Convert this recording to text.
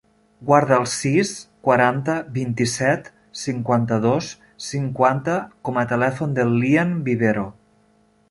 Guarda el sis, quaranta, vint-i-set, cinquanta-dos, cinquanta com a telèfon del Lian Vivero.